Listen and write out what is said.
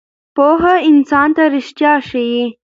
پوهه انسان ته ریښتیا ښیي.